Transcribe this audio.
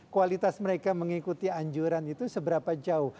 kualitas mereka mengikuti anjuran itu seberapa jauh